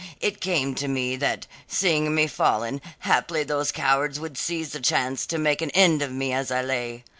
It came to me that, seeing me fallen, haply those cowards would seize the chance to make an end of me as I lay.